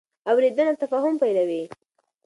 اورېدنه تفاهم پیلوي.